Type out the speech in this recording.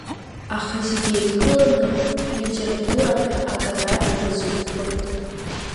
Аха зегь еидкыланы хлитература ԥхьаҟа агара иазықәԥоит.